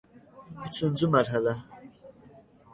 Üçüncü mərhələ.